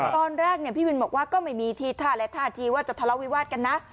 ตอนแรกพี่วินบอกว่าก็ไม่มีทีท่าและท่าทีว่าจะทะเลาวิวาสกันนะ